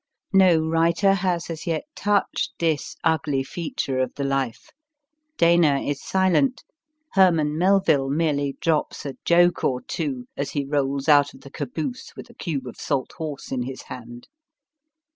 No writer has as yet touched this ugly feature of the life. Dana is silent. Herman Melville merely drops a joke or two as he rolls out of the caboose with a cube of salt horse in his hand.